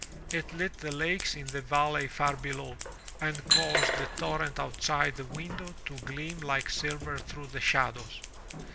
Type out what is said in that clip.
It lit the lakes in the valley far below, and caused the torrent outside the window to gleam like silver through the shadows.